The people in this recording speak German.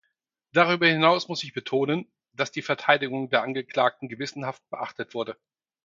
Darüber hinaus muss ich betonen, dass die Verteidigung der Angeklagten gewissenhaft beachtet wurde.